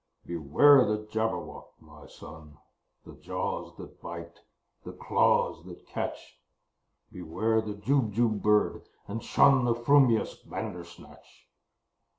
"Beware the Jabberwock, my son! The jaws that bite, the claws that catch! Beware the Jubjub bird, and shun The frumious Bandersnatch!"